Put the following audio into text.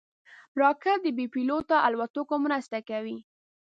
راکټ د بېپيلوټه الوتکو مرسته کوي